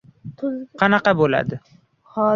— Qanaqa bo‘ladi?